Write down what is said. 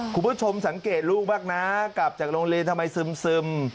คุณผู้ชมสังเกตลูกบ้างนะกลับจากโรงเรียนทำไมซึม